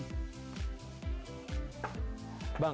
kalau bambu yang digunakan untuk membuat ondel ondel adalah jenis apa bang